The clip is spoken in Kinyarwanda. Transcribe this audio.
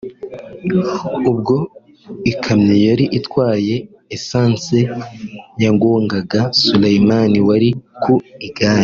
ubwo ikamyo yari itwaye essence yagongaga Suleyman wari ku igare